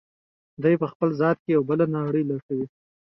دی په خپل ذات کې یوه بله نړۍ لټوي.